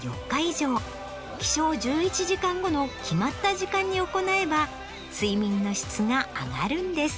の決まった時間に行えば睡眠の質が上がるんです。